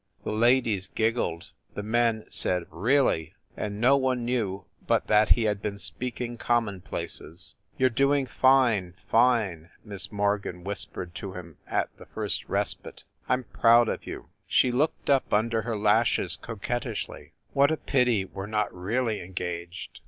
The ladies giggled, the men said "Really!" and no one knefw but that he had been speaking commonplaces. "You re doing fine fine!" Miss Morgan whis pered to him at the first respite. "I m proud of you !" She looked up under her lashes coquettishly, "What a pity we re not really engaged